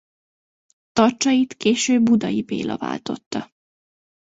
Tarcsait később Budai Béla váltotta.